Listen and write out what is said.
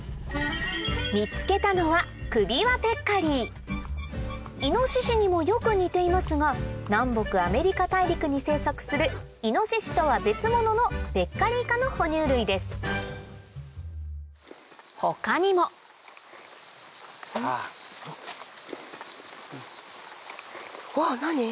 見つけたのはクビワペッカリーイノシシにもよく似ていますが南北アメリカ大陸に生息するイノシシとは別もののペッカリー科の哺乳類です他にもわぁ何？